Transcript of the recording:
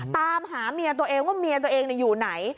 ตามหาเมียตัวเองว่าเมียตัวเองอยู่ไหน